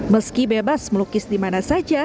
meski bebas melukis dimana saja